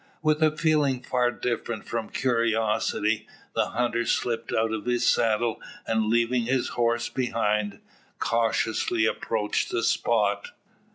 With a feeling far different from curiosity, the hunter slipped out of his saddle, and leaving his horse behind, cautiously approached the spot.